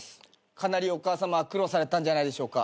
かなりお母さま苦労されたんじゃないでしょうか。